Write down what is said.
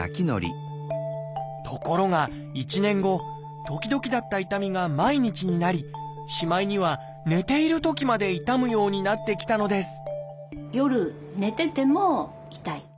ところが１年後時々だった痛みが毎日になりしまいには寝ているときまで痛むようになってきたのです